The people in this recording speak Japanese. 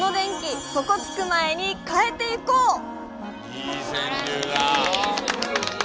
いい川柳だ。